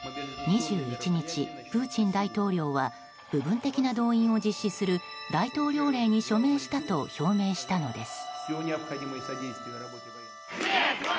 ２１日、プーチン大統領は部分的な動員を実施する大統領令に署名したと表明したのです。